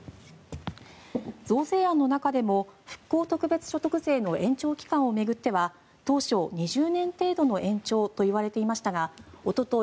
増税案の中でも復興特別所得税の延長期間を巡っては当初２０年程度の延長といわれていましたがおととい